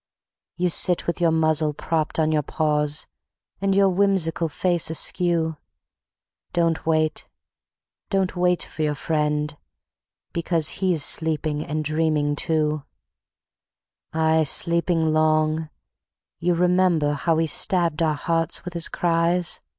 You sit with your muzzle propped on your paws, And your whimsical face askew. Don't wait, don't wait for your friend ... because He's sleeping and dreaming too. Aye, sleeping long. ... You remember how He stabbed our hearts with his cries?